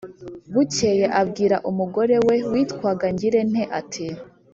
Bukeye abwira umugore we witwaga Ngirente ati: "